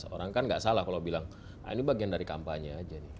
orang kan nggak salah kalau bilang ini bagian dari kampanye aja nih